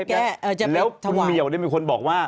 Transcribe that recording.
แล้วคุณเหมียวได้มีคนบอกว่า